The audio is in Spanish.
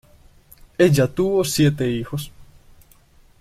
Ella tuvo siete hijos.